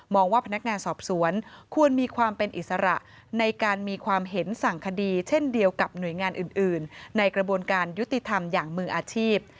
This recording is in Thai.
ว่าพนักงานสอบสวนควรมีความเป็นอิสระในการมีความเห็นสั่งคดีเช่นเดียวกับหน่วยงานอื่นในกระบวนการยุติธรรมอย่างมืออาชีพ